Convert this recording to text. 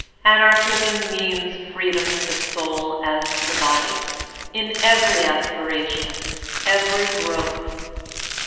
Anarchism means freedom to the soul as to the body, — in every aspiration, every growth.